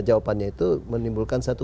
jawabannya itu menimbulkan satu